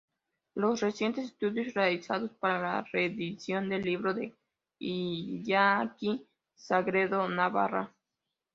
Los recientes estudios realizados para la reedición del libro de Iñaki Sagredo: Navarra.